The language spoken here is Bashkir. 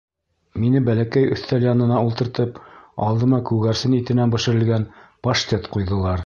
Мине бәләкәй өҫтәл янына ултыртып, алдыма күгәрсен итенән бешерелгән паштет ҡуйҙылар.